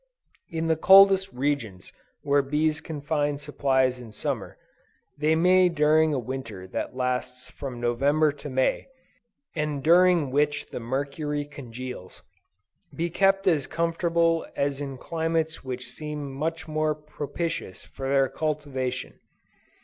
In the coldest regions where bees can find supplies in Summer, they may during a Winter that lasts from November to May, and during which the mercury congeals, be kept as comfortable as in climates which seem much more propitious for their cultivation.